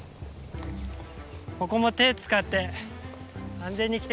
ここも手使って安全に来て下さい。